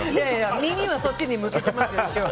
耳はそっちに向けてますよ。